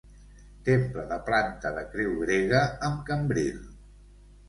Temple de planta de creu grega amb cambril.